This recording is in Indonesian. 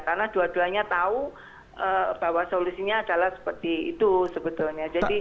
karena dua duanya tahu bahwa solusinya adalah seperti itu sebetulnya